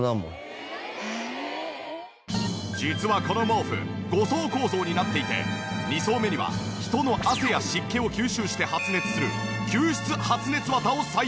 実はこの毛布５層構造になっていて２層目には人の汗や湿気を吸収して発熱する吸湿発熱綿を採用！